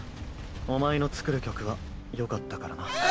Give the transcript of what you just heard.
お前の作る曲はよかったからな。